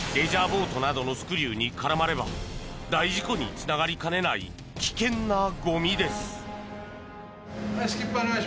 ボートなどのスクリューに絡まれば大事故につながりかねない危険なゴミです。